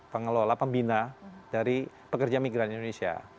pengelola pembina dari pekerja migran indonesia